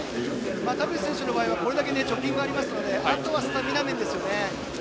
田渕選手の場合は貯金がありますのであとはスタミナ面ですよね。